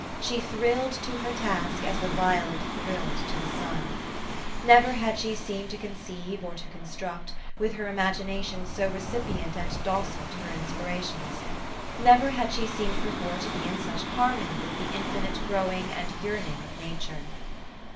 She thrilled to her task as the violet thrilled to the sun. Never had she seemed to conceive or to construct, with her imagination so re cipient and docile to her inspirations. Never had she seemed before to be in such harmony with the infinite growing and yearning of Nature.